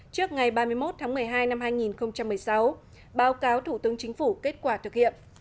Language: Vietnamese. trước ngày ba mươi một tháng một mươi hai năm hai nghìn một mươi sáu báo cáo thủ tướng chính phủ kết quả thực hiện